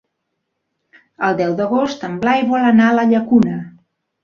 El deu d'agost en Blai vol anar a la Llacuna.